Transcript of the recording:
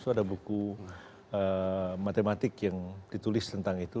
ada buku matematik yang ditulis tentang itu